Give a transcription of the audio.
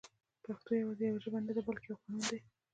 پښتو يوازې يوه ژبه نه ده بلکې يو قانون دی